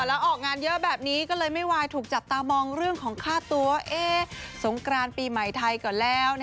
แล้วออกงานเยอะแบบนี้ก็เลยไม่วายถูกจับตามองเรื่องของค่าตัวสงกรานปีใหม่ไทยก่อนแล้ว